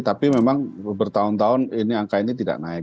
tapi memang bertahun tahun ini angka ini tidak naik